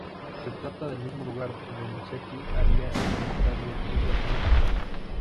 Se trata del mismo lugar donde Seti había edificado el suyo años atrás.